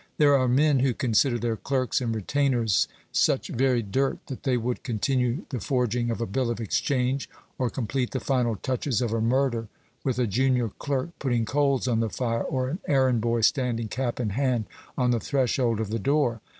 There are men who consider their clerks and retainers such very dirt, that they would continue the forging of a bill of exchange, or complete the final touches of a murder, with a junior clerk putting coals on the fire, or an errand boy standing cap in hand on the threshold of the door.